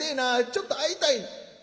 ちょっと会いたい」。